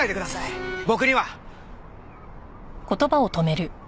僕には。